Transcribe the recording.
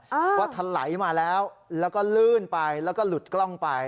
ว่าทะไหลมาแล้วแล้วก็ลื่นไปแล้วก็หลุดกล้องไป